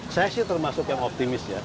saya sih termasuk yang optimis ya